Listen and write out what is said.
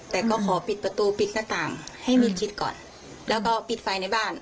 แต่ก็ขอปิดประตูปิดหน้าต่างให้มีชิดก่อนแล้วก็ปิดไฟในบ้าน